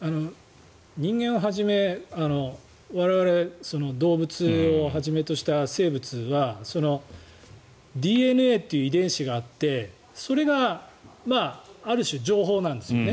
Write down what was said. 人間をはじめ我々、動物をはじめとした生物はＤＮＡという遺伝子があってそれがある種、情報なんですよ。